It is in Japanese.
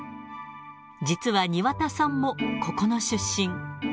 実は庭田さんもここの出身。